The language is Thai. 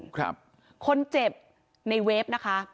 คนเจ็บในเวฟนะคะ